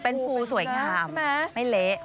เป็นภูลสวยขามไม่เละ